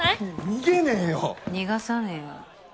逃がさねぇよ。